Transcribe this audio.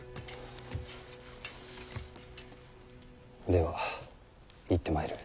では行ってまいる。